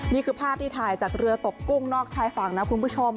นี่คือภาพที่ถ่ายจากเรือตกกุ้งนอกชายฝั่งนะคุณผู้ชม